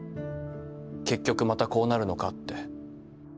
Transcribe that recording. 「結局またこうなるのか」って。